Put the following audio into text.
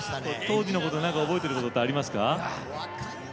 当時のことで何か覚えてることってありますか？